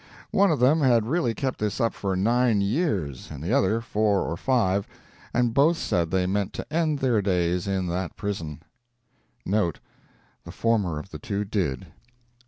One of them had really kept this up for nine years and the other four or five, and both said they meant to end their days in that prison. [The former of the two did.